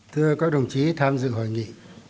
thưa các đồng chí tham dự hội nghị